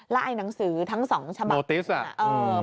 ละเอียนหนังสือทั้ง๒ฉบัติบิ๊บส่วนเหมือนกับบัตรความบาทโรติส